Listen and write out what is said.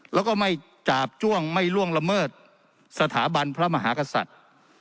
แล้วก็ไม่จาบจ้วงไม่ล่วงละเมิดสถาบันพระมหากษัตริย์